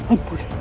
tidak pak man